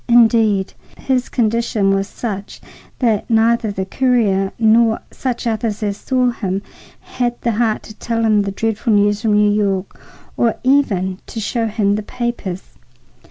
Indeed, his condition was such that neither the courier nor such others as saw him had the heart to tell him the dreadful news from New York, or even to show him the papers.